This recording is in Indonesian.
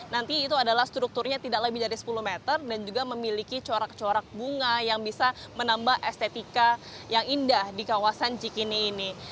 nanti itu adalah strukturnya tidak lebih dari sepuluh meter dan juga memiliki corak corak bunga yang bisa menambah estetika yang indah di kawasan cikini ini